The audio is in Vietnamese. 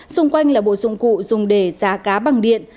xung quanh là bộ dụng cụ dùng để giá cá bằng điện